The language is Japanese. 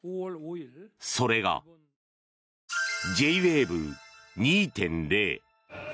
それが、Ｊウェーブ２．０。